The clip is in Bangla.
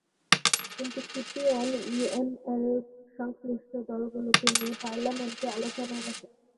কিন্তু সিপিএন-ইউএমএল সংশ্লিষ্ট দলগুলোকে নিয়ে পার্লামেন্টে আলোচনায় বসে।